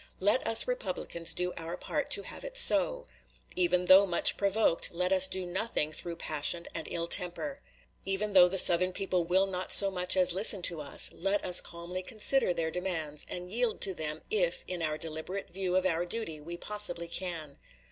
Let us Republicans do our part to have it so. Even though much provoked, let us do nothing through passion and ill temper. Even though the Southern people will not so much, as listen to us, let us calmly consider their demands, and yield to them if, in our deliberate view of our duty, we possibly can.